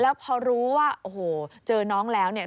แล้วพอรู้ว่าโอ้โหเจอน้องแล้วเนี่ย